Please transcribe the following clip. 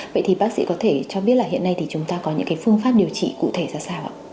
vậy thì bác sĩ có thể cho biết hiện nay chúng ta có những phương pháp điều trị cụ thể ra sao ạ